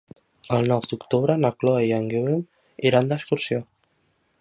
El nou d'octubre na Chloé i en Guiu iran d'excursió.